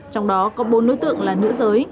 trong đó có bốn đối tượng là nữ giới